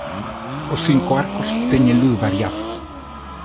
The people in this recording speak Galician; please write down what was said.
Os cinco arcos teñen luz variable.